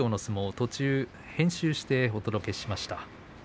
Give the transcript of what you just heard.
途中、編集してお届けしました。